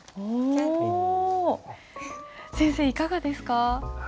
先生いかがですか？